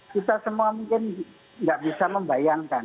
kita semua mungkin nggak bisa membayangkan